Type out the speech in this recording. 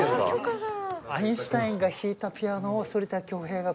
アインシュタインが弾いたピアノを反田恭平がこの時代に弾くと。